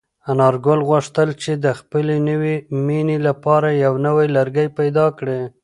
انارګل غوښتل چې د خپلې نوې مېنې لپاره یو نوی لرګی پیدا کړي.